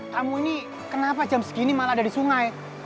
tamu ini kenapa jam segini malah ada di sungai